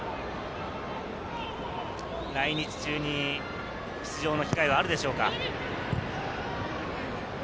来日中に出場の機会はあるでしょうか？